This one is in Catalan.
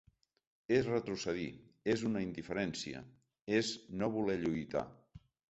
És retrocedir, és una indiferència, és no voler lluitar.